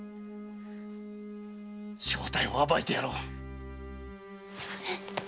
正体を暴いてやろう！